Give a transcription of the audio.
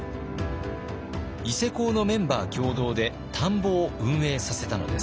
伊勢講のメンバー共同で田んぼを運営させたのです。